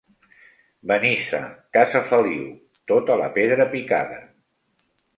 Benissa, casa Feliu, tota la pedra picada.